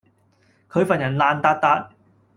佢份人爛笪笪